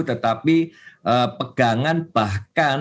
tetapi pegangan bahkan